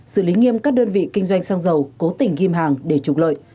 xử lý nghiêm các đơn vị kinh doanh xăng dầu cố tình ghim hàng để trục lợi